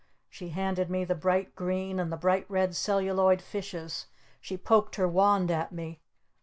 She handed me the Bright Green and the Bright Red Celluloid fishes. She poked her wand at me.